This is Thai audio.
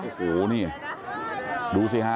โอ้โหนี่ดูสิฮะ